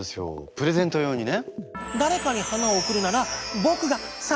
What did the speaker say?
プレゼント用にね。